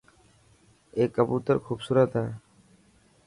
اي ڪبوتر خوبسورت هي.